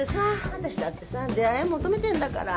私だってさ出会いを求めてるんだから。